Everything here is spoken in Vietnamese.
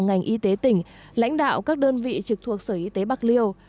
ngành y tế tỉnh lãnh đạo các đơn vị trực thuộc sở y tế bạc liêu